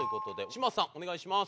嶋佐さんお願いします。